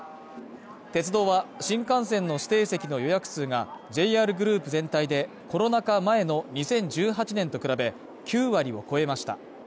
鉄道は新幹線の指定席の予約数がＪＲグループ全体でコロナ禍前の２０１８年と比べ、９割を超えました。